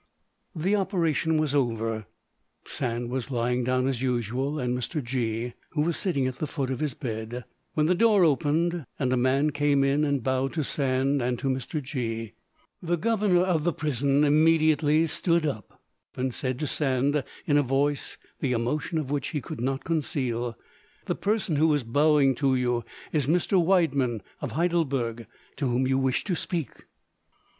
The operation was over; Sand was lying down as usual, and Mr. G——was sitting on the foot of his bed, when the door opened and a man came in and bowed to Sand and to Mr. G——. The governor of the prison immediately stood up, and said to Sand in a voice the emotion of which he could not conceal, "The person who is bowing to you is Mr. Widemann of Heidelberg, to whom you wished to speak."